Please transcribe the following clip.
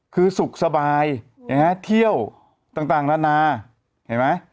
คือสุขสบายเที่ยวต่างนานาเห็นไหม